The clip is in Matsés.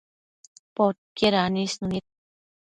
Podquied anisnu nid